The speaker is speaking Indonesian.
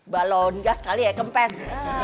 balon gas kali ya kempes